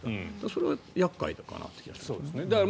それは厄介かなという気がします。